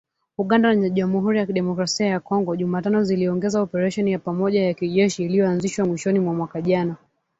Uganda na Jamhuri ya Kidemokrasi ya Kongo Jumatano ziliongeza operesheni ya pamoja ya kijeshi iliyoanzishwa mwishoni mwa mwaka jana